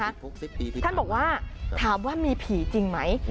ท่านบอกว่าถามว่ามีผีจริงไหม